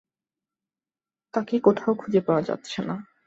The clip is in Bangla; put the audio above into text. তাঁকে কোথাও খুঁজে পাওয়া যাচ্ছে না।